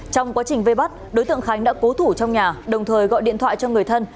trong quá trình vây bắt đối tượng khánh đã cố thủ trong nhà đồng thời gọi điện thoại cho người thân